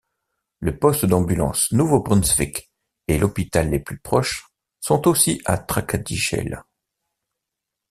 Le poste d'Ambulance Nouveau-Brunswick et l'hôpital les plus proches sont aussi à Tracadie-Sheila.